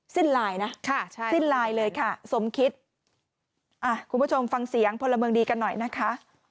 สิ้นลายนะค่ะใช่สิ้นลายเลยค่ะสมคิดอ่ะคุณผู้ชมฟังเสียงพลเมืองดีกันหน่อยนะคะ